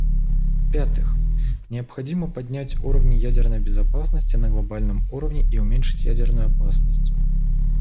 В-пятых, необходимо поднять уровни ядерной безопасности на глобальном уровне и уменьшить ядерную опасность.